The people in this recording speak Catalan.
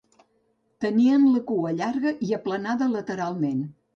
Tenien la cua llarga i aplanada lateralment.